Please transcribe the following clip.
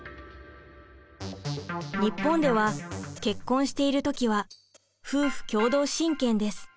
日本では結婚している時は夫婦共同親権です。